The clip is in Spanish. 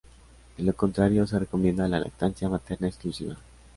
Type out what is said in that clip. De lo contrario, se recomienda la lactancia materna exclusiva.